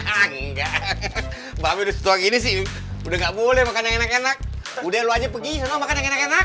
enggak mba be udah setuang gini sih udah nggak boleh makan yang enak enak udah lo aja pergi senang makan yang enak enak